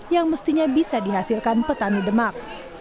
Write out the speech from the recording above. yang mestinya bisa dihasilkan petani demak